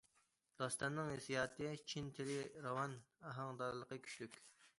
داستاننىڭ ھېسسىياتى چىن، تىلى راۋان، ئاھاڭدارلىقى كۈچلۈك.